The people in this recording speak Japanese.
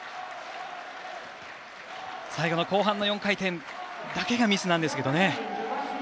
最後の後半の４回転だけがミスなんですけどね。